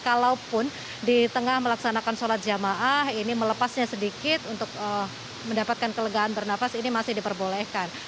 kalaupun di tengah melaksanakan sholat jamaah ini melepasnya sedikit untuk mendapatkan kelegaan bernafas ini masih diperbolehkan